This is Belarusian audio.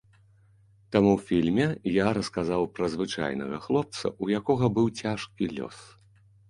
Таму ў фільме я расказаў пра звычайнага хлопца, у якога быў цяжкі лёс.